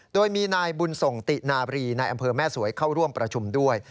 โดยมีนายบุญส่งตินาบรีนายอำเภอแม่สวยเข้าร่วมประชุมด้วย